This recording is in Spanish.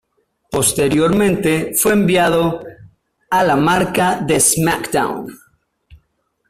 Posteriormente fue enviado a la marca de SmackDown.